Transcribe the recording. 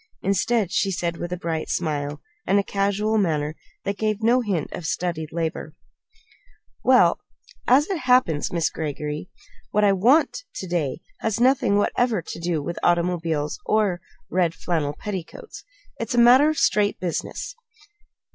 Instead, she said with a bright smile, and a casual manner that gave no hint of studied labor: "Well, as it happens, Miss Greggory, what I want to day has nothing whatever to do with automobiles or red flannel petticoats. It's a matter of straight business."